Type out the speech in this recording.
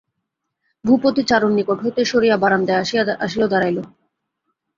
ভূপতি চারুর নিকট হইতে সরিয়া বারান্দায় আসিল দাঁড়াইল।